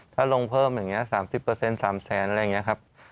ถ้าลงเพิ่มอย่างนี้๓๐เปอร์เซ็นต์๓๐๐๐๐๐อะไรอย่างนี้ครับ